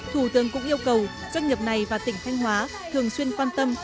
thủ tướng cũng yêu cầu doanh nghiệp này và tỉnh thanh hóa thường xuyên quan tâm